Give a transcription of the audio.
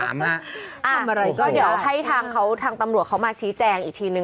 อ้าวเดี๋ยวให้ทางตำรวจเขามาชี้แจงอีกทีหนึ่ง